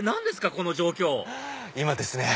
この状況今ですね